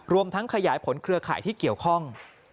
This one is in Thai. รวมทั้งขยายผลเครือข่ายที่เกี่ยวข้อง